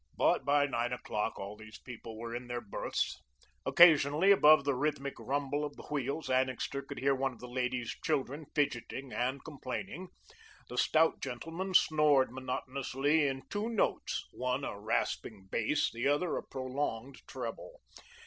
But by nine o'clock, all these people were in their berths. Occasionally, above the rhythmic rumble of the wheels, Annixter could hear one of the lady's children fidgeting and complaining. The stout gentleman snored monotonously in two notes, one a rasping bass, the other a prolonged treble.